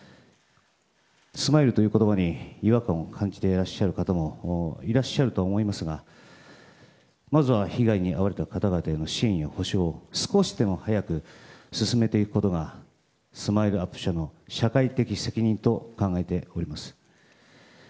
スマイルという言葉に違和感を感じていらっしゃる方もいらっしゃるとは思いますがまずは被害に遭われた方々への支援や補償少しでも早く進めていくことがスマイルアップ社の社会的責任と考えております。